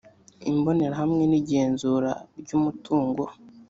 imbonerahamwe no igenzura ry umutungo